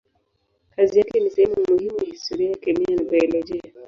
Kazi yake ni sehemu muhimu ya historia ya kemia na biolojia.